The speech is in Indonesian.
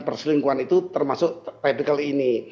perselingkuhan itu termasuk rapical ini